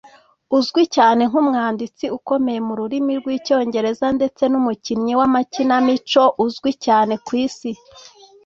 uzwi cyane nkumwanditsi ukomeye mu rurimi rwicyongereza ndetse n'umukinnyi w'amakinamico uzwi cyane ku isi